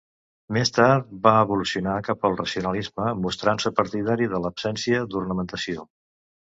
Més tard va evolucionar cap al Racionalisme mostrant-se partidari de l'absència d'ornamentació.